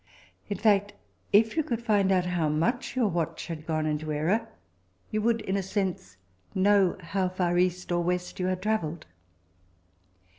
In fact, if you could find out how much your watch had gone into error, you would in a sense know how far east or west you had travelled.